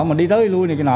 mà đi tới đi lui này cái nọ